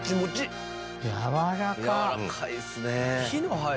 やわらかいですね。